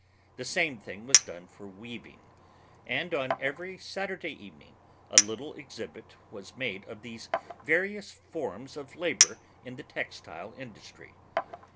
The same thing was done for weaving, and on every Saturday evening a little exhibit was made of these various forms of labor in the textile industry.